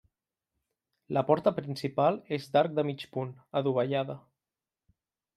La porta principal és d'arc de mig punt, adovellada.